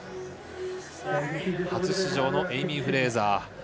初出場のエイミー・フレイザー。